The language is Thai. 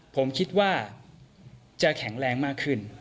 ผมคิดว่าจะแข็งแรงมากขึ้น